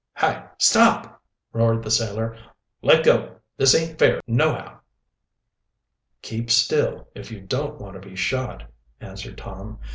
"Hi, stop!" roared the sailor. "Let go! This aint fair nohow!" "Keep still, if you don't want to be shot," answered Tom.